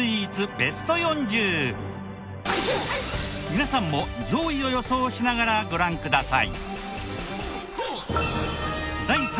皆さんも上位を予想しながらご覧ください。